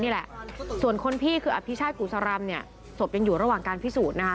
นี่แหละส่วนคนพี่คืออภิชาติกุศรำเนี่ยศพยังอยู่ระหว่างการพิสูจน์นะคะ